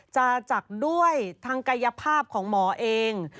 จากด้วยทางกายภาพของหมอเอง